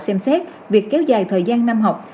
xem xét việc kéo dài thời gian năm học